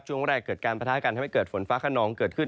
ช่วงแรกเกิดการประทะกันทำให้เกิดฝนฟ้าขนองเกิดขึ้น